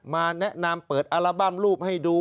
มาแนะนำเปิดอัลบั้มรูปให้ดู